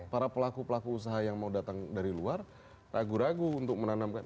para pelaku pelaku usaha yang mau datang dari luar ragu ragu untuk menanamkan